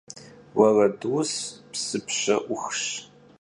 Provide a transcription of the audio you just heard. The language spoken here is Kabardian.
Vueredus pşıpse'uxş.